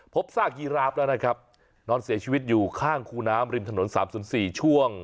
ซากยีราฟแล้วนะครับนอนเสียชีวิตอยู่ข้างคูน้ำริมถนน๓๐๔ช่วง